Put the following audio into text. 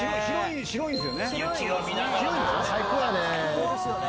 白いんですよね。